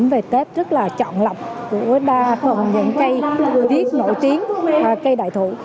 những cái tác phẩm về tết rất là trọn lọc của đa phần những cây viết nổi tiếng và cây đại thủ